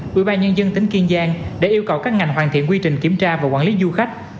quỹ ba nhân dân tỉnh kiên giang đã yêu cầu các ngành hoàn thiện quy trình kiểm tra và quản lý du khách